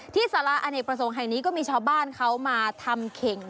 สาระอเนกประสงค์แห่งนี้ก็มีชาวบ้านเขามาทำเข่ง